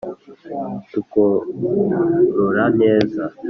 tukorora neza